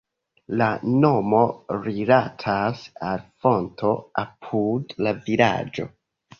La nomo rilatas al fonto apud la vilaĝo.